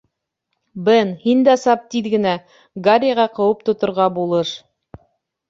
Бен, һин дә сап тиҙ генә, Гарриға ҡыуып тоторға булыш...